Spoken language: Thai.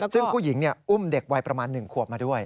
ซึ่งผู้หญิงอุ้มเด็กวัยประมาณ๑ขวบมาด้วย